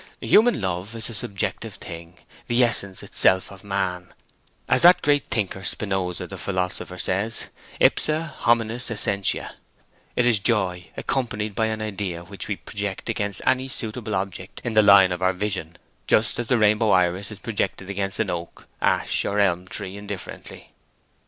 Human love is a subjective thing—the essence itself of man, as that great thinker Spinoza the philosopher says—ipsa hominis essentia—it is joy accompanied by an idea which we project against any suitable object in the line of our vision, just as the rainbow iris is projected against an oak, ash, or elm tree indifferently.